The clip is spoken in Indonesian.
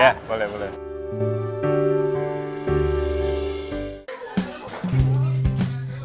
ya boleh boleh